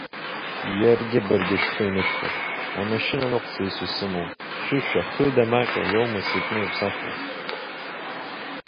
Иаргьы баргьы шәхы еинышәҟьартә амашьына ныҟцаҩыс исымоу Шәышәа хыдамаҟьа иоума сзыҭныбԥсахлаз!